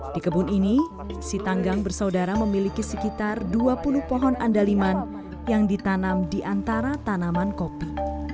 di kebun ini si tanggang bersaudara memiliki sekitar dua puluh pohon andaliman yang ditanam di antara tanaman kopi